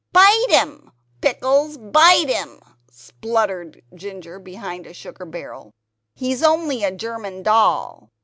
"Bite him, Pickles! bite him!" spluttered Ginger behind a sugar barrel, "he's only a German doll!"